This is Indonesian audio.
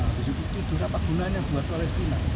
habis itu itu berapa gunanya buat oleh sinan